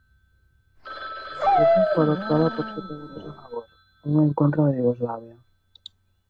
La resolución fue adoptada por siete votos a favor, uno en contra de Yugoslavia.